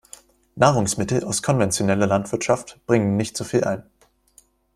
Nahrungsmittel aus konventioneller Landwirtschaft bringen nicht so viel ein.